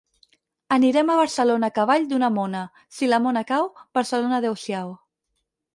Anirem a Barcelona a cavall d'una mona; si la mona cau, Barcelona adeu-siau.